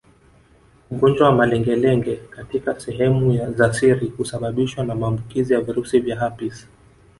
Ugonjwa wa malengelenge katika sehemu za siri husababishwa na maambukizi ya virusi vya herpes